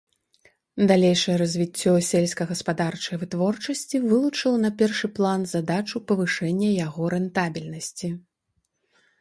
Далейшае развіццё сельскагаспадарчай вытворчасці вылучыла на першы план задачу павышэння яго рэнтабельнасці.